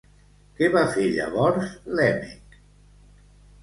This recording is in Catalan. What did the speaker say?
Què va fer llavors Lèmec?